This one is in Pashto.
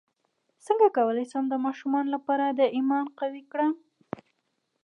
څنګه کولی شم د ماشومانو لپاره د ایمان قوي کړم